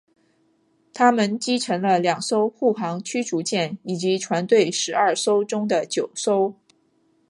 它们击沉了两艘护航驱逐舰以及船队十二艘中的九艘。